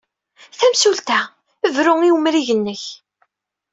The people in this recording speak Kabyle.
Tamsulta! Bru i umrig-nnek!